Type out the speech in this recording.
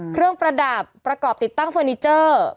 ประดับประกอบติดตั้งเฟอร์นิเจอร์